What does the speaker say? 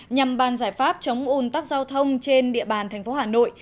nhằm ban giải pháp chống ôn tắc giao thông trên địa bàn thành phố hà nội